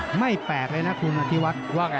ง่ายไปก้ายนะครับทีวัฒน์